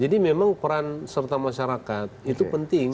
jadi memang peran serta masyarakat itu penting